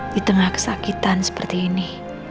di tengah kesakitan seperti ini